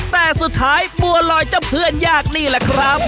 แต่สุดท้ายบัวลอยเจ้าเพื่อนยากนี่แหละครับ